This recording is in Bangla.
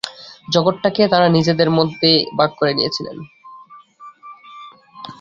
জগৎটাকে তাঁরা নিজেদের মধ্যে ভাগ করে নিয়েছিলেন।